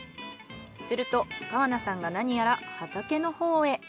すると川名さんがなにやら畑のほうへ。